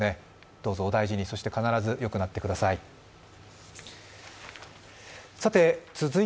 どうぞお大事に、そして必ずよくなってください。